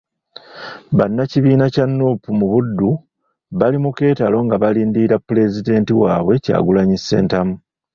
Bannakibiina kya Nuupu mu Buddu, bali mu keetalo nga balindirira Pulezidenti wabwe Kyagulanyi Ssentamu.